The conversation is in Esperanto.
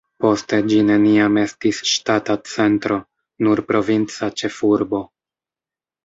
Poste ĝi neniam estis ŝtata centro, nur provinca ĉefurbo.